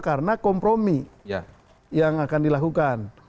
karena kompromi yang akan dilakukan